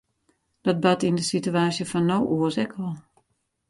Dat bart yn de sitewaasje fan no oars ek al.